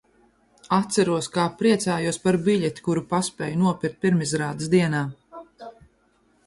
Atceros, kā priecājos par biļeti, kuru paspēju nopirkt pirmizrādes dienā.